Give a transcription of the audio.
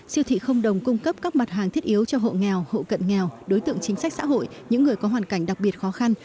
siêu thị không đồng cung cấp các mặt hàng thiết yếu cho hộ nghèo hộ cận nghèo đối tượng chính sách xã hội những người có hoàn cảnh đặc biệt khó khăn